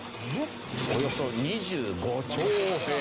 およそ２５兆円。